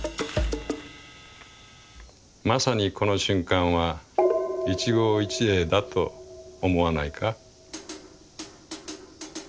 「まさにこの瞬間は『一期一会』だと思わないか？」。